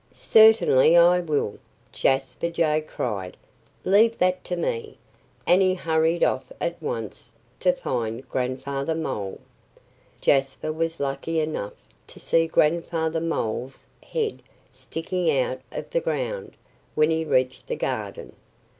"Certainly I will!" Jasper Jay cried. "Leave that to me!" And he hurried off at once to find Grandfather Mole. Jasper was lucky enough to see Grandfather Mole's head sticking out of the ground, when he reached the garden.